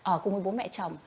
ở cùng với bố mẹ chồng